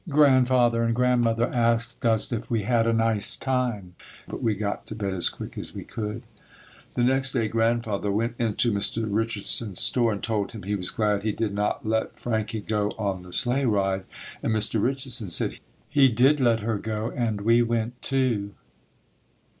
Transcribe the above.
Grandfather and Grandmother asked us if we had a nice time, but we got to bed as quick as we could. The next day Grandfather went into Mr. Richardson's store and told him he was glad he did not let Frankie go on the sleigh ride, and Mr. Richardson said he did let her go and we went too.